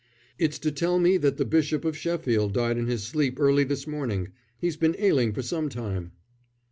"It's to tell me that the Bishop of Sheffield died in his sleep early this morning. He's been ailing for some time."